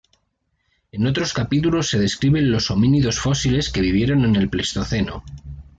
En otros capítulos se describen los homínidos fósiles que vivieron en el Pleistoceno.